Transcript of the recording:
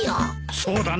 そうだね。